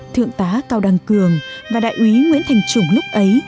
thượng tá cao đăng cường và đại úy nguyễn thành trùng lúc ấy